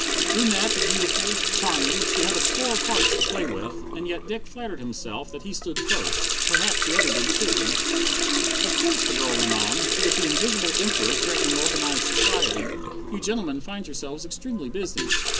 Brunette, beautiful, charming, she had a score of hearts to play with, and yet Dick flattered himself that he stood first. Perhaps the others did too. "Of course," the girl went on, "with the Invisible Emperor threatening organized society, you gentlemen find yourselves extremely busy.